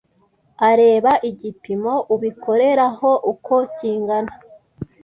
areba igipimo ubikoreraho uko kingana